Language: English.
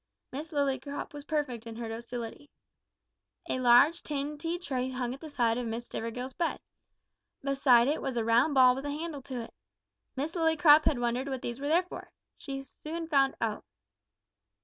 Miss Lillycrop was perfect in her docility. A large tin tea tray hung at the side of Miss Stivergill's bed. Beside it was a round ball with a handle to it. Miss Lillycrop had wondered what these were there for. She soon found out.